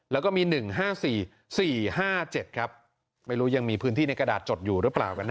แล้วก็มีหนึ่งห้าสี่สี่ห้าเจ็ดครับไม่รู้ยังมีพื้นที่ในกระดาษจดอยู่หรือเปล่ากันนะ